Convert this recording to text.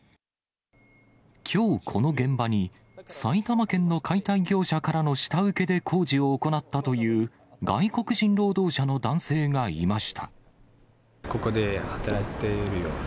きょう、この現場に埼玉県の解体業者からの下請けで工事を行ったという外ここで働いてるよ。